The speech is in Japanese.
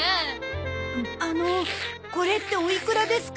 あのこれっておいくらですか？